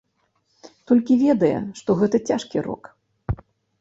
Толькі ведае, што гэта цяжкі рок.